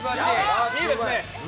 いいですね。